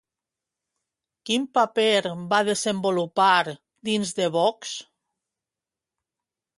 Quin paper va desenvolupar dins de Vox?